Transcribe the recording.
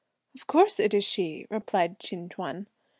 "Of course it's she," replied Chin Ch'uan.